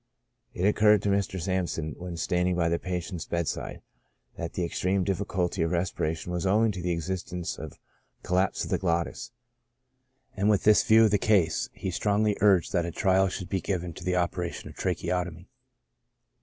It occur red to Mr. Sampson, when standing by the patient's bed side, that the extreme difficulty of respiration was owing to the existence of 'collapse of the glottis,' and with this view of the case, he strongly uiged that a trial should be given to the operation of tracheotomy.